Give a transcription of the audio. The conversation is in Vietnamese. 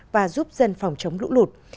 và giúp dân phòng chống lũ lụt